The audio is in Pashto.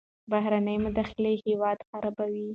بهرنۍ مداخلې هیواد خرابوي.